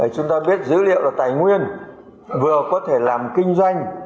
chúng ta biết dữ liệu là tài nguyên vừa có thể làm kinh doanh